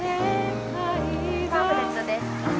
パンフレットです。